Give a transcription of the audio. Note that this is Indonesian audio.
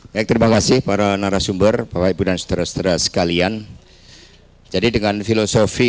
hai terima kasih para narasumber bahwa ibu dan saudara saudara sekalian jadi dengan filosofi